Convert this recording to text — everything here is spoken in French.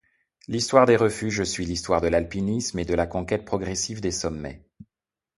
L’histoire des refuges suit l’histoire de l’alpinisme et de la conquête progressive des sommets.